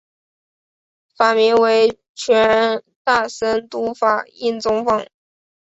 法名为权大僧都法印宗方。